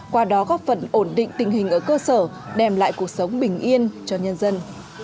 qua đó góp phần ổn định tình hình ở cơ sở đem lại cuộc sống bình yên cho nhân dân